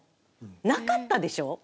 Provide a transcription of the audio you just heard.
なかったでしょ？